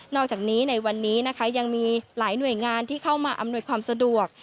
อกจากนี้ในวันนี้นะคะยังมีหลายหน่วยงานที่เข้ามาอำนวยความสะดวก